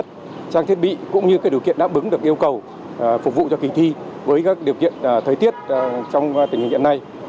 trang thiết bị cũng như điều kiện đáp ứng được yêu cầu phục vụ cho kỳ thi với các điều kiện thời tiết trong tình hình hiện nay